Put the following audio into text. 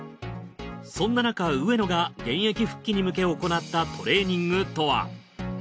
そんななか上野が現役復帰に向け行ったトレーニングとは？